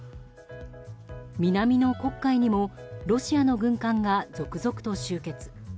南の黒海にもロシアの軍艦が続々と集結。